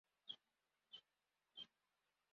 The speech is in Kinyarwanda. Umugore wambaye ishati yumukara ukora kumpapuro kumeza